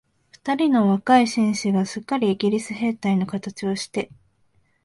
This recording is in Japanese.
二人の若い紳士が、すっかりイギリスの兵隊のかたちをして、